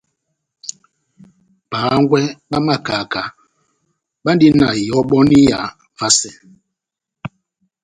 Bahángwɛ bá makaka bandi na ihɔbɔniya vasɛ.